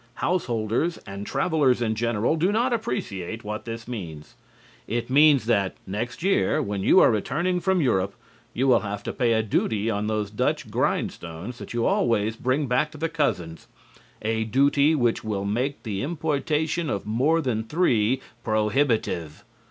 Householders and travelers in general do not appreciate what this means. It means that, next year, when you are returning from Europe, you will have to pay a duty on those Dutch grindstones that you always bring back to the cousins, a duty which will make the importation of more than three prohibitive.